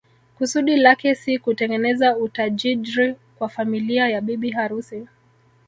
Kusudi lake si kutengeneza utajijri kwa familia ya bibi harusi